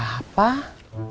kok kerjaan ajaib kurang meng"